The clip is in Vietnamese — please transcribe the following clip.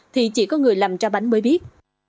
thì chỉ có người làm ra bánh mới biết